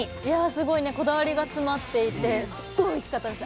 すごいこだわりが詰まっていてすっごいおいしかったです。